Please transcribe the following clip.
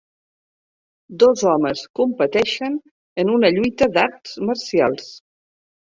Dos homes competeixen en una lluita d'arts marcials.